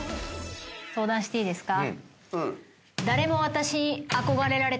相談していいですか。